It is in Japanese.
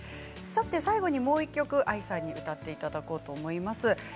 最後にもう１曲、ＡＩさんに歌っていただこうと思います。